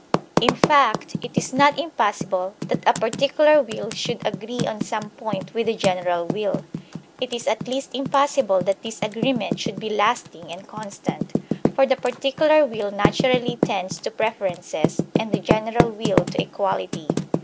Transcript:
In fact, if it is not impossible that a particular will should agree on some point with the general will, it is at least impossible that this agreement should be lasting and con stant; for the particular will naturally tends to prefer ences, and the general will to equality.